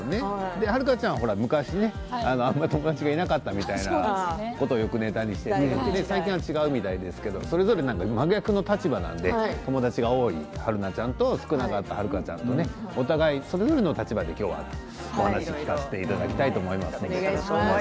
はるかちゃんは昔あんまり友達がいなかったみたいなことをよくネタにしていて最近は違うみたいですけどそれぞれ真逆の立場なので友達が多い春菜ちゃんと少ない、はるかちゃんとお互いその立場でお話しいただきたいと思います。